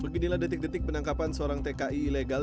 beginilah detik detik penangkapan seorang tki ilegal